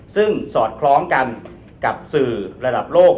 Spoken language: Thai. ซึ่งสอดคล้องกันกับสื่อระดับโลก